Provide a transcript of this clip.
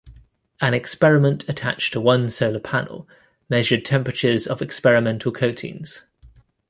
An experiment attached to one solar panel measured temperatures of experimental coatings.